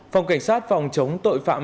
phòng cảnh sát phòng chống tội phạm